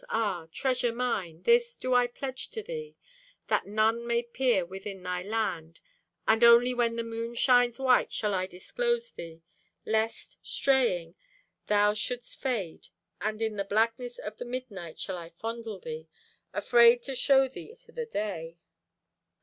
Ah, treasure mine, this do I pledge to thee, That none may peer within thy land; and only When the moon shines white shall I disclose thee; Lest, straying, thou should'st fade; and in the blackness Of the midnight shall I fondle thee, Afraid to show thee to the day.